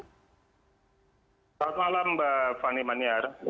selamat malam mbak fani maniar